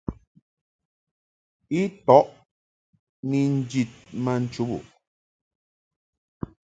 I ntɔʼ ni njid ma nchubuʼ.